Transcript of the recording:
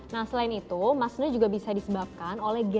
nah selain itu masne juga bisa disebabkan oleh gantian